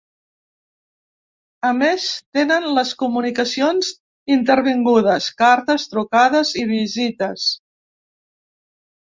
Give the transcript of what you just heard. A més, tenen les comunicacions intervingudes: cartes, trucades i visites.